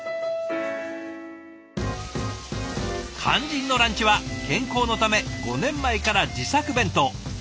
肝心のランチは健康のため５年前から自作弁当。